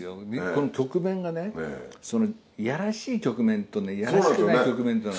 この曲面がやらしい曲面とやらしくない曲面というのがあって。